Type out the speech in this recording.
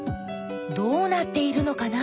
どうなっているのかな？